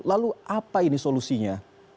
lalu apa ini solusinya